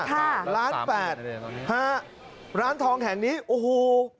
ค่ะล้านแปดฮะร้านทองแห่งนี้โอ้โห